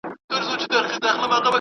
ایا څېړنه د حوصلې غوښتنه کوي؟